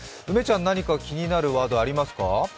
梅ちゃん、何か気になるワードありますか？